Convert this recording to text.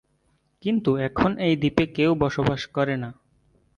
কিন্তু এখন এই দ্বীপে কেউ বসবাস করে না।